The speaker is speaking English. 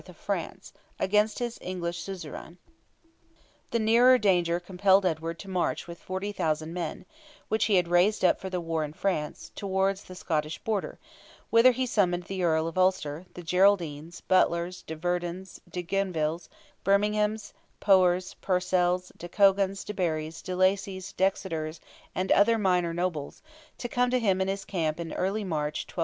of France, against his English suzerain. The nearer danger compelled Edward to march with 40,000 men, which he had raised for the war in France, towards the Scottish border, whither he summoned the Earl of Ulster, the Geraldines, Butlers, de Verdons, de Genvilles, Berminghams, Poers, Purcells, de Cogans, de Barrys, de Lacys, d'Exeters, and other minor nobles, to come to him in his camp early in March, 1296.